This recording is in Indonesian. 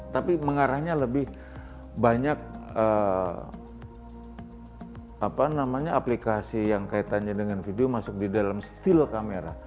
tapi mengarahnya lebih banyak aplikasi yang kaitannya dengan video masuk di dalam still kamera